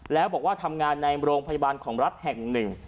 แล้วบอกว่าทำงานในโรงพยาบาลของรัฐแห่งหนึ่ง